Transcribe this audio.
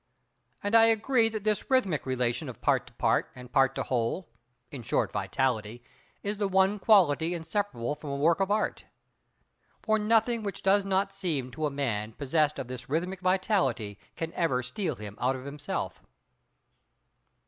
And I agree that this rhythmic relation of part to part, and part to whole—in short, vitality—is the one quality inseparable from a work of Art. For nothing which does not seem to a man possessed of this rhythmic vitality, can ever steal him out of himself.